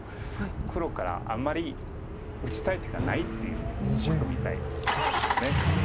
黒からあんまり打ちたい手がないっていうことみたいですよね。